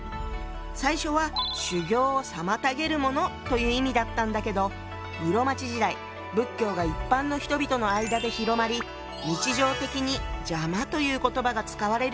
最初は「修行を妨げるもの」という意味だったんだけど室町時代仏教が一般の人々の間で広まり日常的に「邪魔」という言葉が使われるようになったの。